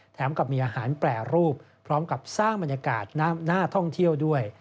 แถมกับมีอาหารแปรรูปพร้อมกับสร้างบรรยากาศน่าท่องเที่ยวด้วย